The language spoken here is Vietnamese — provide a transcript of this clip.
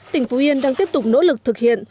tỉnh phú yên đang tiếp tục nỗ lực thực hiện